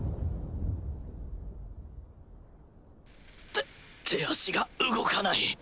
て手足が動かない